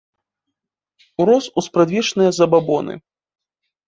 Урос у спрадвечныя забабоны.